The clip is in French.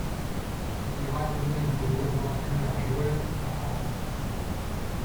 Il ira tenir le rôle d'entraîneur-joueur à Caen.